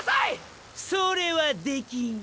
それはできん。